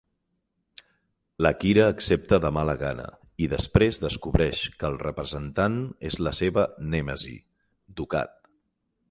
La Kira accepta de mala gana, i després descobreix que el representant és la seva nèmesi, Dukat.